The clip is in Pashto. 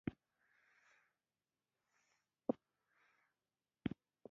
بې شمېره نور شیان شته چې ما ندي ذکر کړي.